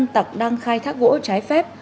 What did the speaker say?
tám mươi năm tặc đang khai thác gỗ trái phép